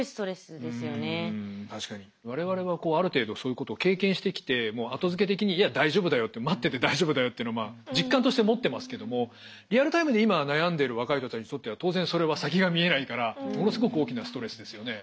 われわれはある程度そういうことを経験してきてもう後付け的にいや大丈夫だよ待ってて大丈夫だよっていうのは実感として持ってますけどもリアルタイムで今悩んでいる若い人たちにとっては当然それは先が見えないからものすごく大きなストレスですよね。